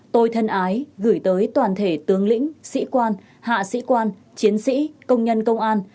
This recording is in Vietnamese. tôi thân ái gửi tới toàn thể tướng lĩnh sĩ quan hạ sĩ quan chiến sĩ công nhân công an